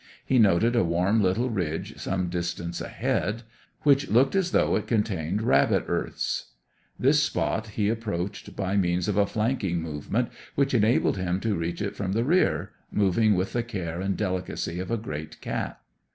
He noted a warm little ridge some distance ahead, which looked as though it contained rabbit earths. This spot he approached by means of a flanking movement which enabled him to reach it from the rear, moving with the care and delicacy of a great cat.